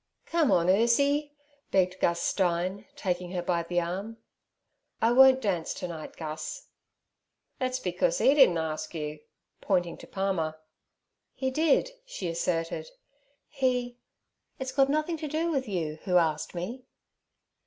'Come on, Ursie' begged Gus Stein, taking her by the arm. 'I won't dance to night, Gus.' 'That's because 'e didn't ask you' pointing to Palmer. 'He did' she asserted. 'He—it's got nothing to do with you who asked me.'